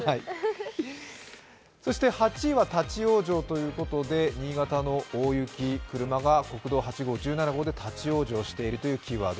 ８位は立ち往生ということで新潟の大雪、車が国道８号、１７号で立往生しているというキーワード。